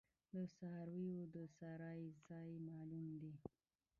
د څارویو د څرائ ځای معلوم دی؟